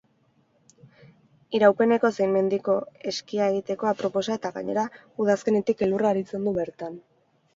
Iraupeneko zein mendiko eskia egiteko aproposa eta gainera udazkenetik elurra aritzen du bertan.